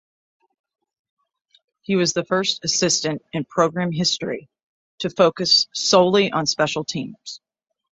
He was the first assistant in program history to focus solely on special teams.